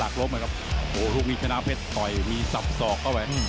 กลับหมดโยค